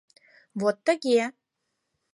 Вот тыге.